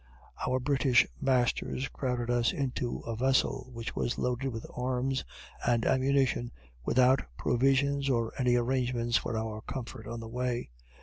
Our British masters crowded us into a vessel which was loaded with arms and ammunition, without provisions or any arrangements for our comfort on the way.